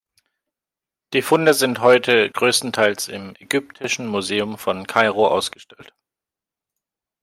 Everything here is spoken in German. Die Funde sind heute größtenteils im Ägyptischen Museum von Kairo ausgestellt.